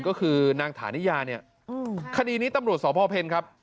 ก็คือนางฐานิยาเนี่ยคดีนี้ตำรวจสพเพ็ญครับ